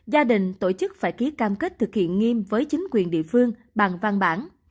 gia đình tổ chức phải ký cam kết thực hiện nghiêm với chính quyền địa phương bằng văn bản